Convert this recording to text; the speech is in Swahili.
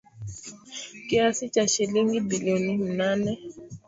Kiasi cha shilingi bilioni mnane